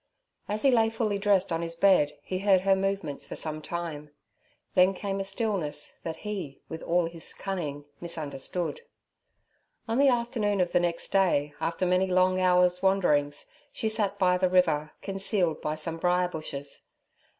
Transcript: As he lay fully dressed on his bed he heard her movements for some time; then came a stillness that he, with all his cunning, misunderstood. On the afternoon of the next day, after many long hours' wanderings, she sat by the river, concealed by some briar bushes.